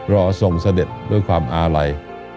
รอส่งเสด็จด้วยความอาลัย